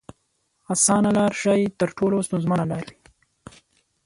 اسانه لار ښايي تر ټولو ستونزمنه لار وي.